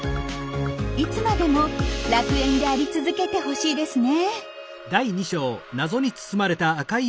いつまでも楽園であり続けてほしいですね。